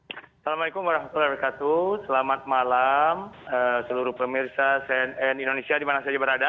assalamu'alaikum warahmatullahi wabarakatuh selamat malam seluruh pemirsa cnn indonesia di mana saja berada